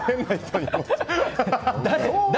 誰？